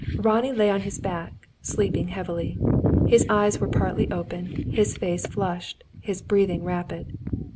Ronnie lay on his back, sleeping heavily. His eyes were partly open, his face flushed, his breathing rapid.